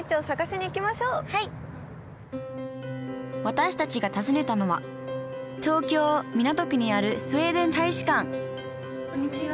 私たちが訪ねたのは東京・港区にあるスウェーデン大使館こんにちは。